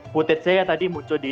putet saya tadi muncul di